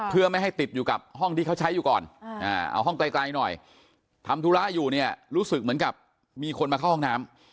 เอาห้องไกลหน่อยทำธุระอยู่เนี่ยรู้สึกเหมือนกับมีคนมาเข้าห้องน้ำ